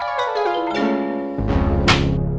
aku masih sayang badamu